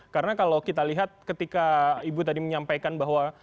karena kalau kita lihat ketika ibu tadi menyampaikan bahwa